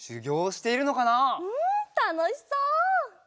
うんたのしそう！